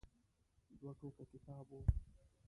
دوه ټوکه کتاب و.